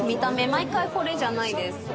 毎回これじゃないです。